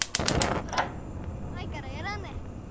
ほら舞からやらんね。